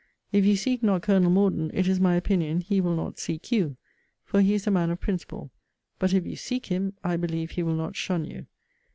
If you seek not Colonel Morden, it is my opinion he will not seek you: for he is a man of principle. But if you seek him, I believe he will not shun you.